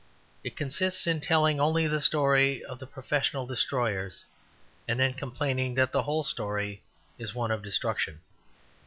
It consists in telling only the story of the professional destroyers and then complaining that the whole story is one of destruction.